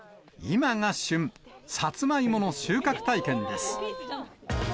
今が旬、サツマイモの収穫体験です。